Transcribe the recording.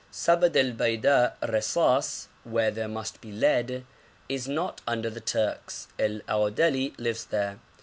Sabad el Baida Resass (where there must be lead) is not under the Turks; El Aòdeli live there.